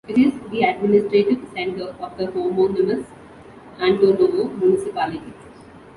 It is the administrative center of the homonymous Antonovo Municipality.